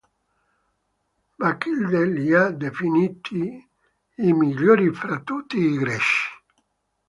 Bacchilide li ha definiti "I migliori fra tutti i Greci".